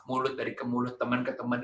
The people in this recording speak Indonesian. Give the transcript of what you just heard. mulut dari ke mulut teman ke teman